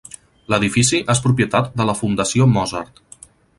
L'edifici és propietat de la Fundació Mozart.